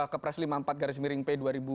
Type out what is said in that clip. ke pres lima puluh empat garis miring p